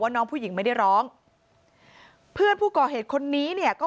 น้องผู้หญิงไม่ได้ร้องเพื่อนผู้ก่อเหตุคนนี้เนี่ยก็